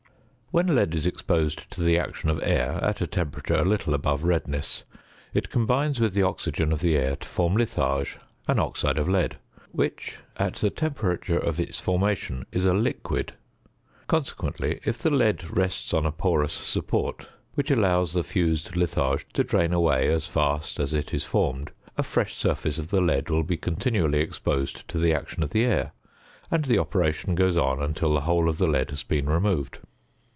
When lead is exposed to the action of air at a temperature a little above redness, it combines with the oxygen of the air to form litharge, an oxide of lead, which at the temperature of its formation is a liquid. Consequently, if the lead rests on a porous support, which allows the fused litharge to drain away as fast as it is formed, a fresh surface of the lead will be continually exposed to the action of the air, and the operation goes on until the whole of the lead has been removed.